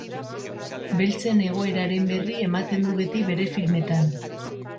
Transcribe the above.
Beltzen egoeraren berri ematen du beti bere filmetan.